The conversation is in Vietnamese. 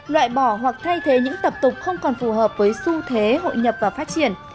loại bỏ hoặc thay thế những tập tục không còn phù hợp với xu thế hội nhập và phát triển